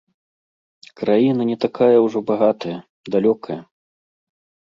Краіна не такая ўжо багатая, далёкая.